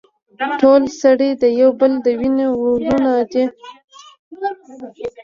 ټول سړي د يو بل د وينې وروڼه دي.